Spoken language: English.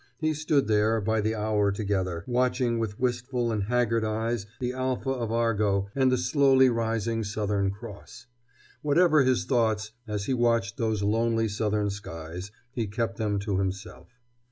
He stood there, by the hour together, watching with wistful and haggard eyes the Alpha of Argo and the slowly rising Southern Cross. Whatever his thoughts, as he watched those lonely Southern skies, he kept them to himself.